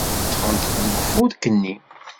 Ṭṭfent deg ufurk-nni.